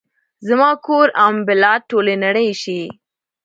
زما کور ام البلاد ، ټولې نړۍ شي